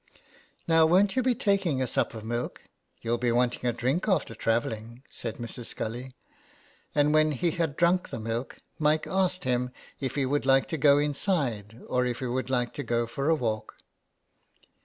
'' Now won't you be taking a sup of milk ? You'll be wanting a drink after travelling," said Mrs. Scully. And when he had drunk the milk Mike asked him if he would like to go inside or if he would like to go for a walk.